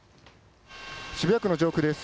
渋谷区の上空です。